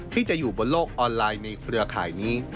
ที่จะอยู่บนโลกออนไลน์ในเครือข่ายนี้